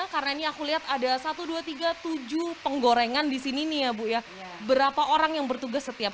karena ini aku lihat ada dua belas tiga puluh tujuh penggorengan disini nih ya bu ya berapa orang yang bertugas setiap